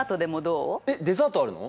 えっデザートあるの？